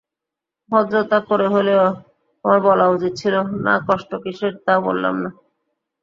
ভদ্রতা করে হলেও আমার বলা উচিত, না, কষ্ট কিসের তা বললাম না!